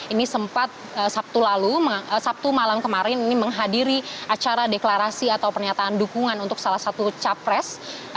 ini sempat sabtu malam kemarin ini menghadiri acara deklarasi atau pernyataan dukungan untuk salah satu capres